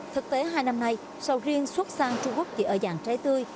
thực tế hai năm nay sầu riêng xuất sang trung quốc chỉ ở dạng trái tươi